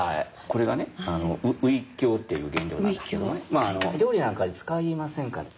これがねウイキョウっていう原料なんですけどまああの料理なんかに使いませんかね。